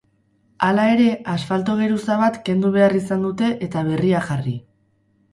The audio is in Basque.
Hala ere, asfalto geruza bat kendu behar izan dute eta berria jarri.